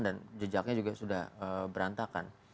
dan jejaknya juga sudah berantakan